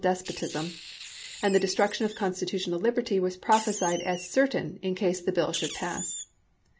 despotism ; and the destruction of constitutional liberty was prophesied as certain in case the bill should pass.